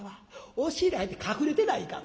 押し入れ入って隠れてないかん。